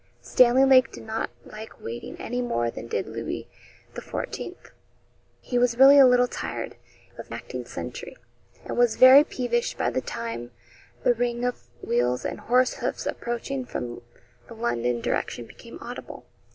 Stanley Lake did not like waiting any more than did Louis XIV. He was really a little tired of acting sentry, and was very peevish by the time the ring of wheels and horse hoofs approaching from the London direction became audible.